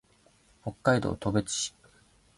北海道士別市